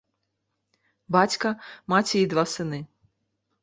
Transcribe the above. Бацька, маці і два сыны.